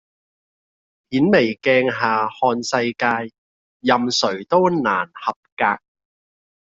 顯微鏡下看世界，任誰都難合格